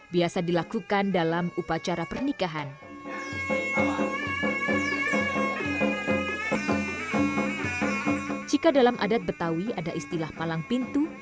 jika dalam adat betawi ada istilah palang pintu